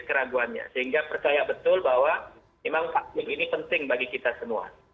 keraguannya sehingga percaya betul bahwa memang vaksin ini penting bagi kita semua